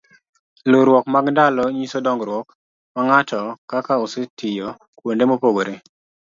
luwruok mag ndalo nyiso dongruok ma ng'atokaka osetiyo kuonde mopogore